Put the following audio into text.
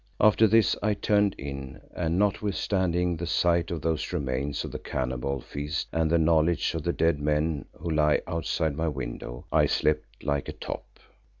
After this I turned in and notwithstanding the sight of those remains of the cannibal feast and the knowledge of the dead men who lay outside my window, I slept like a top.